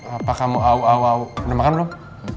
apa kamu aw aw aw udah makan belum